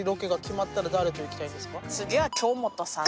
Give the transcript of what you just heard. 次は京本さん。